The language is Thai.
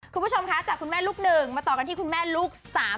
คุณผู้ชมคะจากคุณแม่ลูกหนึ่งมาต่อกันที่คุณแม่ลูก๓๐